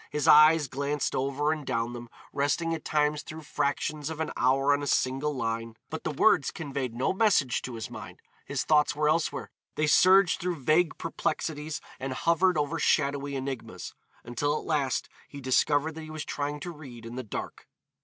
His eyes glanced over and down them, resting at times through fractions of an hour on a single line, but the words conveyed no message to his mind, his thoughts were elsewhere, they surged through vague perplexities and hovered over shadowy enigmas, until at last he discovered that he was trying to read in the dark.